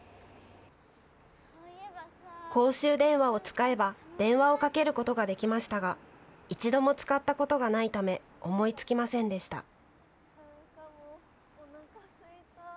公衆電話を使えば電話をかけることができましたが一度も使ったことがないため思いつきませんでした。